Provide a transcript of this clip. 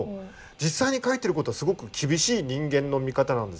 実際に書いてる事はすごく厳しい人間の見方なんですよ。